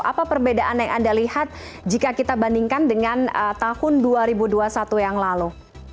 apa perbedaan yang anda lihat jika kita bandingkan dengan tahun dua ribu dua puluh satu yang lalu